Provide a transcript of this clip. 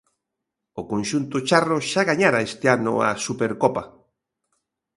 O conxunto charro xa gañara este ano a Supercopa.